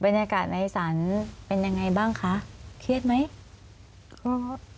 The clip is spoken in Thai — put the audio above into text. บรรยากาศในสรรค์เปิดอย่างไรบ้างคะเครียดหรือ